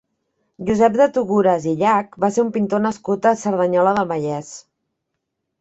Josep de Togores i Llach va ser un pintor nascut a Cerdanyola del Vallès.